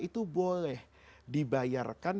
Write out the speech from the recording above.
itu boleh dibayarkan